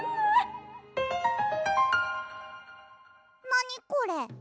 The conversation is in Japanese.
なにこれ？